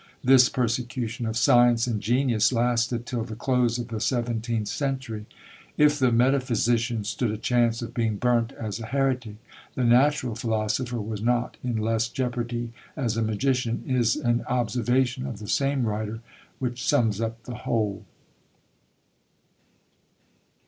This persecution of science and genius lasted till the close of the seventeenth century. "If the metaphysician stood a chance of being burnt as a heretic, the natural philosopher was not in less jeopardy as a magician," is an observation of the same writer, which sums up the whole.